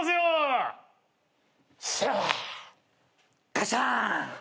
ガシャーン。